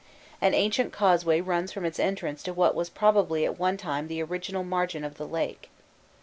An ancient causeway runs from its entrance to what was probably at one time the original margin of the lake.